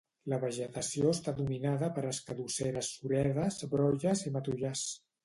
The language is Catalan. La vegetació està dominada per escadusseres suredes, brolles i matollars.